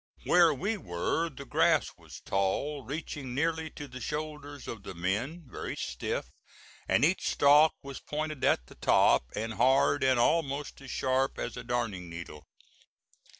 Where we were the grass was tall, reaching nearly to the shoulders of the men, very stiff, and each stock was pointed at the top, and hard and almost as sharp as a darning needle.